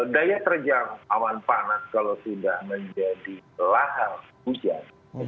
daya terjang awan panas kalau sudah menjadi lahar hujan